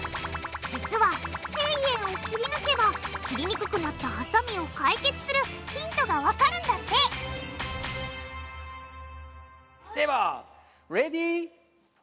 実はペイエんを切り抜けば切りにくくなったハサミを解決するヒントがわかるんだってでは！